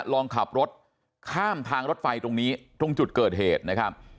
ลองขับรถข้ามทางรถไฟตรงนี้ตรงจุดเกิดเหตุนะครับ